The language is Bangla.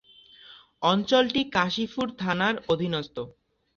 অঞ্চলটি কাশীপুর থানার অধীনস্থ।